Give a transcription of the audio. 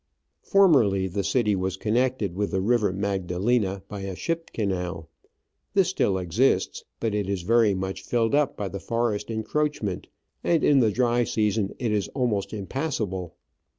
Formerly the city was connected with the river Magdalena by a ship canal ; this still exists, but it is very much filled up by the forest encroachment, and in the dry season it is almost impassable.